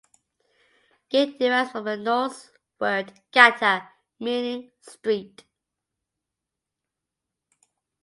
"Gate" derives from the Norse word "gata" meaning street.